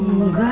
nggak gak repot